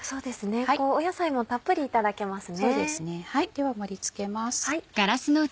では盛り付けます。